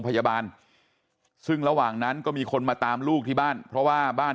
พยาบาลซึ่งระหว่างนั้นก็มีคนมาตามลูกที่บ้านเพราะว่าบ้าน